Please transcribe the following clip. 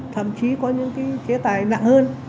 thậm chí có những cái chế tài nặng hơn